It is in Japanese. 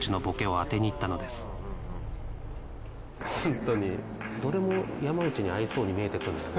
本当にどれも山内に合いそうに見えてくるんだよね。